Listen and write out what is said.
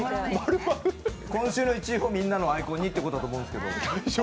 今週の１位をみんなのアイコンにってことだと思います。